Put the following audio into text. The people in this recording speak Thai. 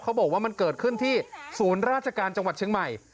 บอกว่ามันเกิดขึ้นที่ศูนย์ราชการจังหวัดเชียงใหม่